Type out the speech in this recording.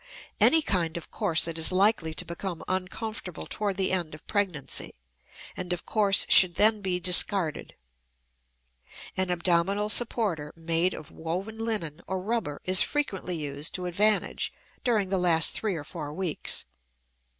Any kind of corset is likely to become uncomfortable toward the end of pregnancy; and of course should then be discarded. An abdominal supporter made of woven linen or rubber is frequently used to advantage during the last three or four weeks.